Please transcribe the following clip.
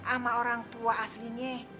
ama orang tua aslinya